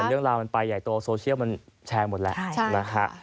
แต่เรื่องราวมันไปใหญ่ตัวโซเชียลมันแชร์หมดแล้ว